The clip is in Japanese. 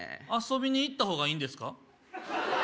遊びにいった方がいいんですか？